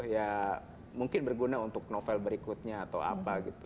ya mungkin berguna untuk novel berikutnya atau apa gitu